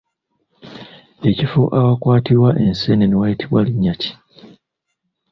Ekifo awakwatirwa enseenene wayitibwa linnya ki?